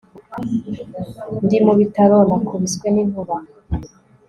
ndi mu bitaro. nakubiswe n'inkuba